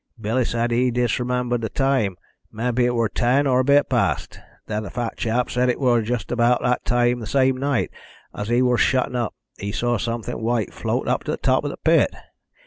Billy said he disremembered th' time mebbe it wor ten or a bit past. Then the fat chap said it wor just about that time the same night, as he wor shuttin' up, he saw somefin white float up to th' top of th' pit.